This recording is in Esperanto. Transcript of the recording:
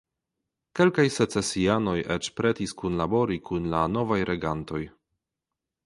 Kelkaj secesianoj eĉ pretis kunlabori kun la novaj regantoj.